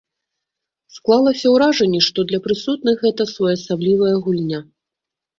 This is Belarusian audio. Склалася ўражанне, што для прысутных гэта своеасаблівая гульня.